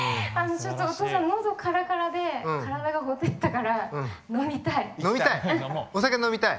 ちょっとお父さんのどからからで体がほてったから飲みたい。